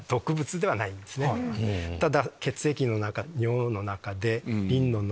ただ。